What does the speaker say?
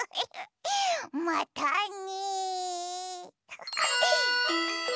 またね。